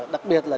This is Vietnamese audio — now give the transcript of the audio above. đặc biệt là